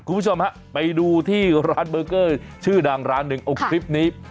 คุณผู้ชมฮะไปดูที่ร้านเบอร์เกอร์ชื่อดังร้านหนึ่งเอาคลิปนี้